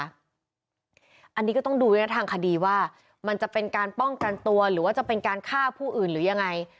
อันนี้ก็ต้องดูด้วยนะทางคดีว่ามันจะเป็นการป้องกันตัวหรือว่าจะเป็นการฆ่าผู้อื่นหรือยังไง